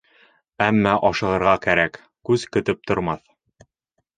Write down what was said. Әммә ашығырға кәрәк, күс көтөп тормаҫ.